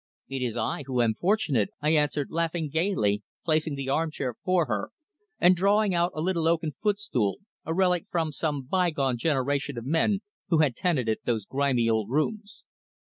"It is I who am fortunate," I answered, laughing gaily, placing the armchair for her and drawing out a little oaken footstool, a relic from some bygone generation of men who had tenanted those grimy old rooms.